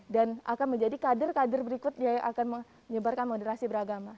dan akan menjadi kader kader berikut yang akan menyebarkan moderasi beragama